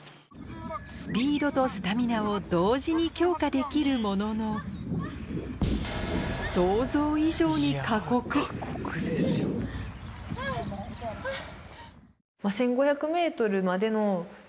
スピードとスタミナを同時に強化できるものの想像以上にハァ！ハァ！